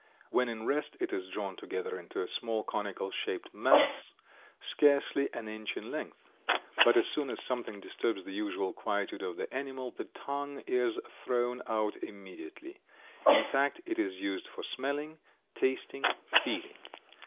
When in rest it is drawn together into a small, conical shaped mass, scarcely an inch in length. But as soon as something disturbs the usual quietude of the animal the tongue is thrown out immediately. In fact, it is used for smelling, tasting, feeling.